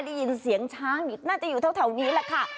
ได้ยินเสียงช้างน่าจะอยู่แถวนี้แหละค่ะ